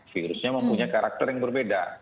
virusnya mempunyai karakter yang berbeda